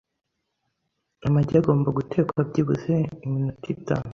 Amagi agomba gutekwa byibuze iminota itanu.